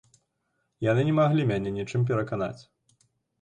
Яны не маглі мяне нічым пераканаць.